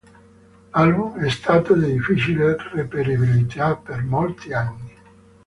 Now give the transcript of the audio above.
L'album è stato di difficile reperibilità per molti anni.